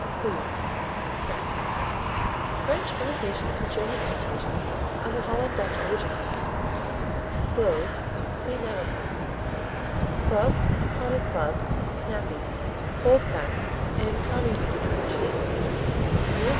Cleves France French imitation of the German imitation of a Holland Dutch original. Cloves see Nagelkäse. Club, Potted Club, Snappy, Cold pack and Comminuted cheese _U.S.